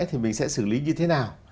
thì mình sẽ xử lý như thế nào